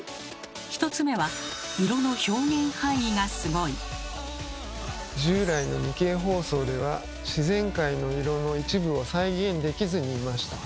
１つ目は従来の２Ｋ放送では自然界の色の一部を再現できずにいました。